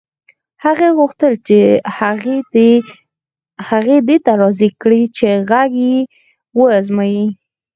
هغې غوښتل هغه دې ته راضي کړي چې غږ یې و ازمایي